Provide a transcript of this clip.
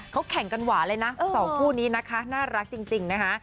เขาแข่งกันหวานเลยนะสองคู่นี้นะคะน่ารักจริงนะคะ